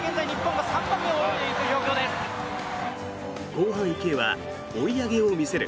後半、池江は追い上げを見せる。